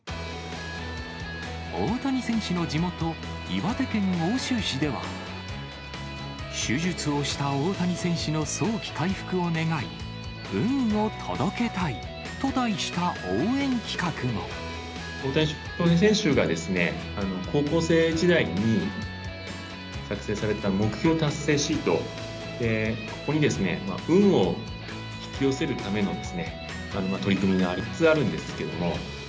大谷選手の地元、岩手県奥州市では、手術をした大谷選手の早期回復を願い、大谷翔平選手がですね、高校生時代に作成された目標達成シート、ここにですね、運を引き寄せるための取り組みが８つあるんですけれども。